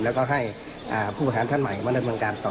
แล้วก็ให้ผู้ประหารท่านใหม่มาดำเนินการต่อ